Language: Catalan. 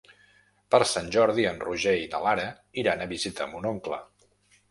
Per Sant Jordi en Roger i na Lara iran a visitar mon oncle.